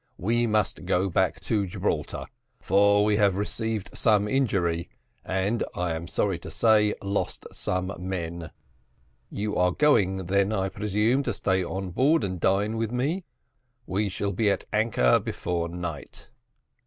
We must go back to Gibraltar, for we have received some injury, and, I am sorry to say, lost some men. You are going then, I presume, to stay on board and dine with me: we shall be at anchor before night."